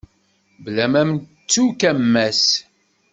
Mebla ma nettu-k a Mass.